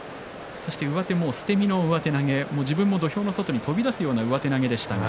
そして上手は捨て身の上手投げ自分も土俵の外に飛び出すような上手投げでした。